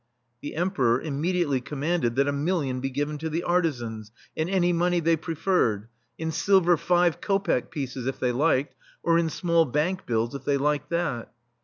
The Emperor immediately com manded that a million be given to the artisans, in any money they preferred — in silver five kopek pieces, if they liked, or in small bank bills, if they liked that.